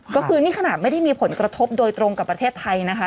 ก็คือนี่ขนาดไม่ได้มีผลกระทบโดยตรงกับประเทศไทยนะคะ